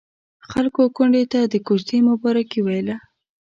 خلکو کونډې ته د کوژدې مبارکي ويله.